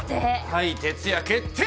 はい徹夜決定！